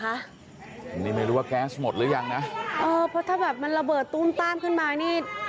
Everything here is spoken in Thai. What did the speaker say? อันนี้ไม่รู้ว่าแก๊สหมดหรือยังนะเออเพราะถ้าแบบมันระเบิดตู้มต้ามขึ้นมานี่